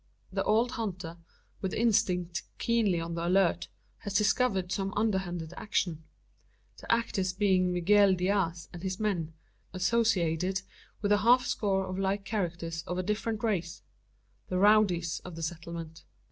The old hunter, with instinct keenly on the alert, has discovered some underhanded action the actors being Miguel Diaz and his men, associated with a half score of like characters of a different race the "rowdies" of the settlement.